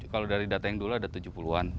kalau dari data yang dulu ada tujuh puluh an